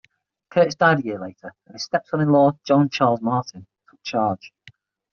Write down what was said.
Curtis died a year later and his stepson-in-law, John Charles Martin, took charge.